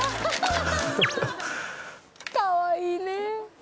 かわいいね。